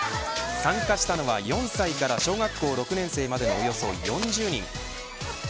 参加したのは４歳から小学校６年生までのおよそ４０人。